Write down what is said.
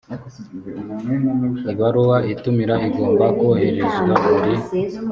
ibaruwa itumira igomba kohererezwa buri